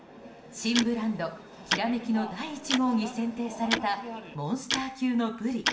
新ブランド「煌」の第１号に選定されたモンスター級のブリ。